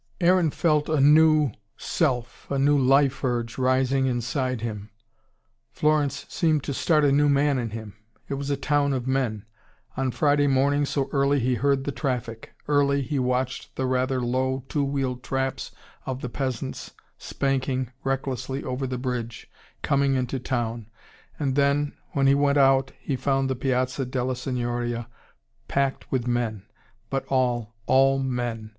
Aaron felt a new self, a new life urge rising inside himself. Florence seemed to start a new man in him. It was a town of men. On Friday morning, so early, he heard the traffic. Early, he watched the rather low, two wheeled traps of the peasants spanking recklessly over the bridge, coming in to town. And then, when he went out, he found the Piazza della Signoria packed with men: but all, all men.